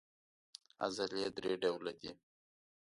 عضلې درې ډوله دي.